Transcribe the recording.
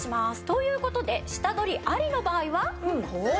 という事で下取り有りの場合はこうなります。